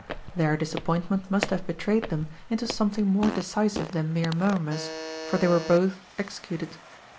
Their disappointment must have betrayed them into something more decisive than mere murmurs ; tor they were both executed.